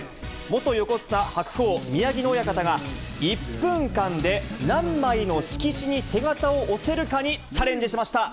元横綱・白鵬・宮城野親方が、１分間で何枚の色紙に手形を押せるかにチャレンジしました。